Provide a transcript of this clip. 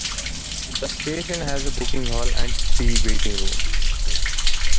The station has a booking hall, and three waiting rooms.